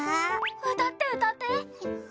歌って、歌って。